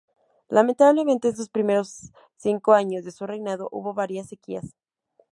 Lamentablemente, en sus primeros cinco años de su reinado hubo varias sequías.